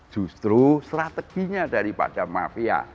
justru strateginya daripada mafia